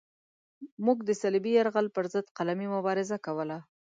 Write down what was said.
موږ د صلیبي یرغل پرضد قلمي مبارزه کوله.